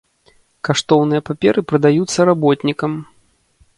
Каштоўныя паперы прадаюцца работнікам.